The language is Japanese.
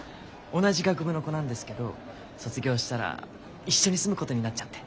同じ学部の子なんですけど卒業したら一緒に住むことになっちゃって。